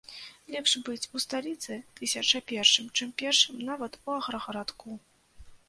Лепш быць у сталіцы тысяча першым, чым першым нават у аграгарадку.